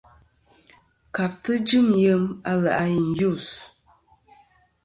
Kabtɨ jɨm yem a lè' a i yus.